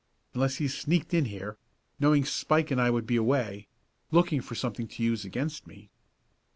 Unless he sneaked in here knowing Spike and I would be away looking for something to use against me.